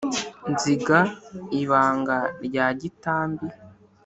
nzinga ibanga rya gitambi